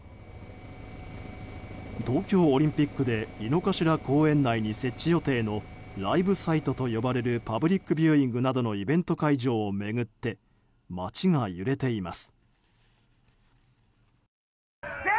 東京オリンピックで井の頭公園内に設置予定のライブサイトと呼ばれるパブリックビューイングなどのイベント会場を巡って街が揺れています。